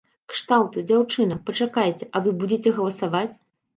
Кшталту, дзяўчына, пачакайце, а вы будзеце галасаваць?